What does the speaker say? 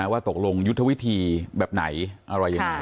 ว่าตกลงยุทธวิธีแบบไหนอะไรยังไง